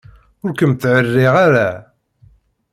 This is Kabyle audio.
Ur kem-ttεerriɣ ara.